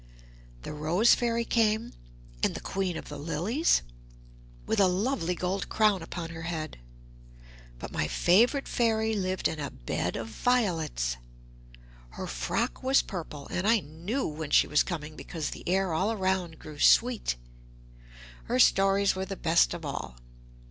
The Rose Fairy came, and the Queen of the Lilies, with a lovely gold crown upon her head; but my favourite Fairy lived in a bed of violets. Her frock was purple, and I knew when she was coming because the air all round grew sweet. Her stories were the best of all.